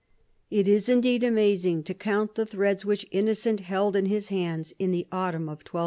It is indeed amazing to count the threads which Innocent held in his hands in the autumn of 1201.